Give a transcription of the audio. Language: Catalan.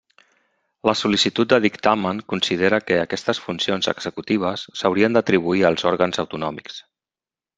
La sol·licitud de dictamen considera que aquestes funcions executives s'haurien d'atribuir als òrgans autonòmics.